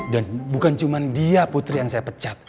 dan bukan cuman dia putri yang saya pecat